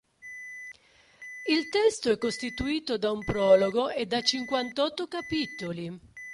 Il testo è costituito da un prologo e da cinquantotto capitoli.